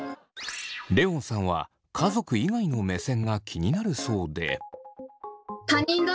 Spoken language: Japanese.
レオンさんは家族以外の目線が気になるそうで。